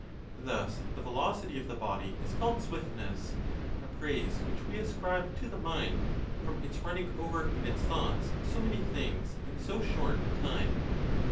Thus the velocity of the body is called swiftness: a praise which we ascribe to the mind, from its running over in its thoughts so many things in so short a time.